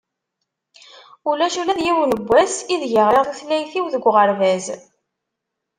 Ulac ula d yiwen n wass i deg i ɣriɣ tutlayt-iw deg uɣerbaz.